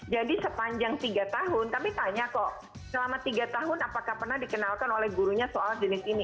jadi sepanjang tiga tahun tapi tanya kok selama tiga tahun apakah pernah dikenalkan oleh gurunya soal jenis ini